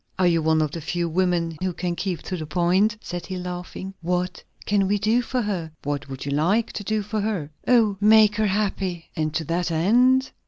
"Are you one of the few women who can keep to the point?" said he, laughing. "What can we do for her?" "What would you like to do for her?" "Oh Make her happy!" "And to that end